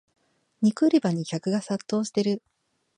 肉売り場に客が殺到してる